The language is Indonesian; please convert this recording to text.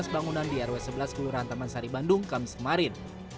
tujuh belas bangunan di rw sebelas kelurahan tamansari bandung kamis kemarin